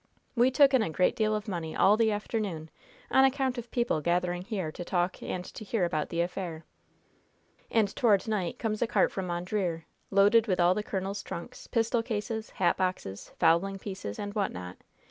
We took in a great deal of money all the afternoon on account of people gathering here to talk and to hear about the affair. And toward night comes a cart from Mondreer, loaded with all the colonel's trunks, pistol cases, hat boxes, fowling pieces and what not.